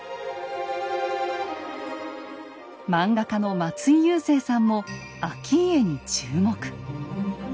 漫画家の松井優征さんも顕家に注目。